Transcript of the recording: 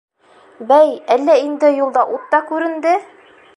Бәй, әллә инде юлда ут та күренде?